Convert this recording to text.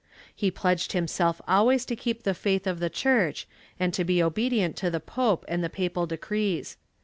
He pledged himself always to keep the faith of the Church and to be obedient to the pope and the papal decrees.